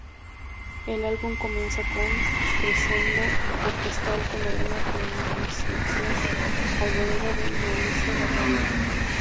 El álbum comienza con "crescendo" orquestal con algunas reminiscencias al "Bolero" de "Maurice Ravel".